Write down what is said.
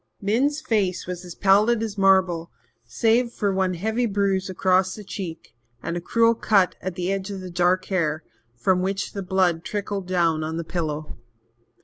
Min's face was as pallid as marble, save for one heavy bruise across the cheek and a cruel cut at the edge of the dark hair, from which the blood trickled down on the pillow.